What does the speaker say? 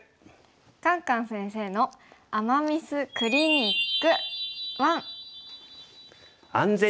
「カンカン先生の“アマ・ミス”クリニック１」。